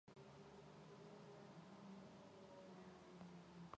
Ийм чөлөөтэй сэлгэдэг байдал асуудлыг лавшруулахаас бус, шууд шийдэхгүй.